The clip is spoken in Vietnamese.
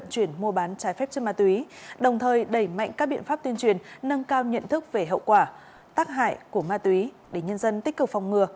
chuyển mua bán trái phép chất ma túy đồng thời đẩy mạnh các biện pháp tuyên truyền nâng cao nhận thức về hậu quả tác hại của ma túy để nhân dân tích cực phòng ngừa